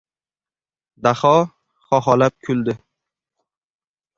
Daho xoxolab kuldi.